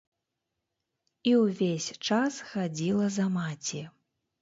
І ўвесь час хадзіла за маці.